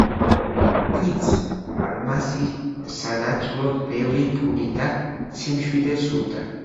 პიტს ალმასის სანაცვლოდ ბევრი ფული და სიმშვიდე სურდა.